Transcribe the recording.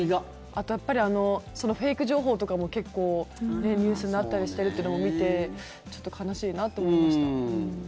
あとやっぱりフェイク情報とかも結構ニュースになったりしているというのも見てちょっと悲しいなと思いました。